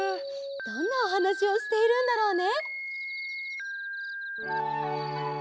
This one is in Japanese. どんなおはなしをしているんだろうね！